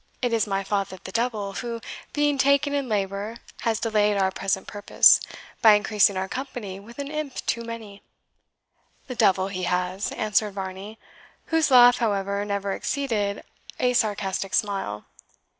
It is my father the Devil, who, being taken in labour, has delayed our present purpose, by increasing our company with an imp too many." "The devil he has!" answered Varney, whose laugh, however, never exceeded a sarcastic smile.